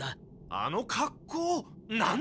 あの格好なんだ？